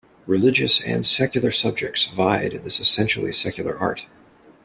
Religious and secular subjects vied in this essentially secular art.